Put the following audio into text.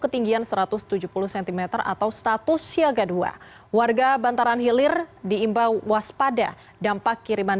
ketinggian satu ratus tujuh puluh cm atau status siaga dua warga bantaran hilir diimbau waspada dampak kiriman